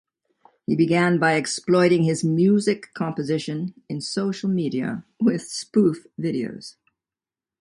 He began by exploiting his music composition in social media with spoof videos.